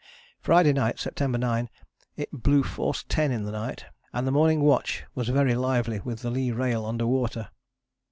Friday night, September 9, it blew force 10 in the night, and the morning watch was very lively with the lee rail under water.